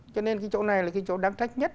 cho nên cái chỗ này là cái chỗ đáng trách nhất